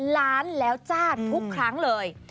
ล้านแล้วจ้าทุกครั้งเลย